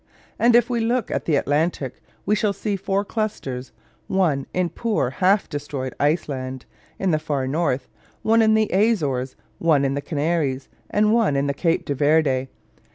And if we look in the Atlantic, we shall see four clusters: one in poor half destroyed Iceland, in the far north, one in the Azores, one in the Canaries, and one in the Cape de Verds.